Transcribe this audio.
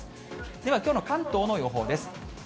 では、きょうの関東の予報です。